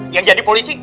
yang jadi polisi